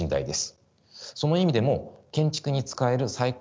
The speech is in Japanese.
その意味でも建築に使える採光